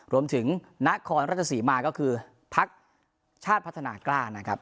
นครราชสีมาก็คือพักชาติพัฒนากล้านะครับ